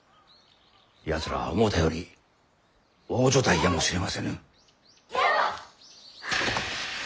やつら思うたより大所帯やもしれませぬ。